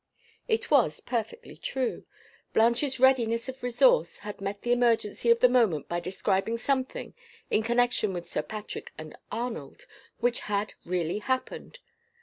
It was perfectly true. Blanche's readiness of resource had met the emergency of the moment by describing something, in connection with Sir Patrick and Arnold, which had really happened.